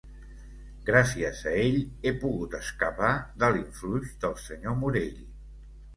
Gràcies a ell he pogut escapar de l'influx del senyor Morell.